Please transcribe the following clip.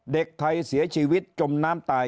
เด็กไทยเสียชีวิตจมน้ำตาย